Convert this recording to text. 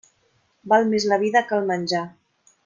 Val més la vida que el menjar.